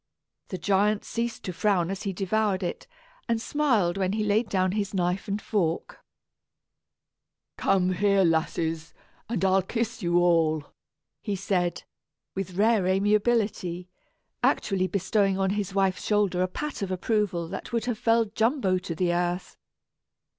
The giant ceased to frown as he devoured it, and smiled when he laid down his knife and fork. [Illustration: Dimple makes rat pie.] "Come here, lasses, and I'll kiss you all," he said, with rare amiability actually bestowing on his wife's shoulder a pat of approval that would have felled Jumbo to the earth.